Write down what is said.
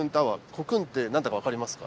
コクーンって何だか分かりますか？